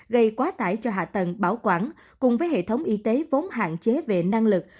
gây quá tải cho hạ tầng bảo quản cùng với hệ thống y tế vốn hạn chế về năng lực